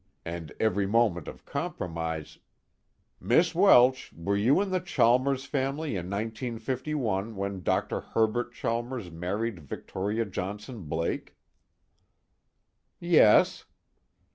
And every moment of compromise ... "Miss Welsh, were you with the Chalmers family in 1951 when Dr. Herbert Chalmers married Victoria Johnson Blake?" "Yes."